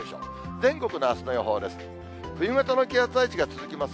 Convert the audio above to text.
全国のあすの予報です。